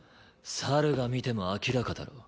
猿が見ても明らかだろ。